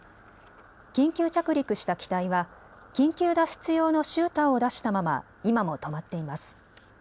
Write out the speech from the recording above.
緊急着陸した機体は緊急脱出用のシューターを出したまま今も止まっています。